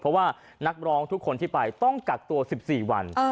เพราะว่านักร้องทุกคนที่ไปต้องกักตัว๑๔วัน